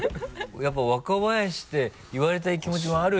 やっぱ「若林」って言われたい気持ちもあるし。